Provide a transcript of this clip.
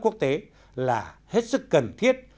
quốc tế là hết sức cần thiết